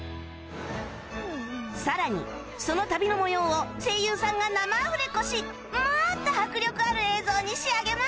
さらにその旅の模様を声優さんが生アフレコしもっと迫力ある映像に仕上げます